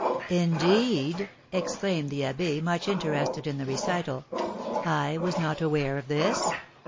"Indeed!" exclaimed the abbé, much interested in the recital. "I was not aware of this.